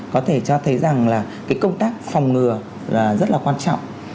có thể cho thấy rằng là cái công tác phòng ngừa là rất là quan trọng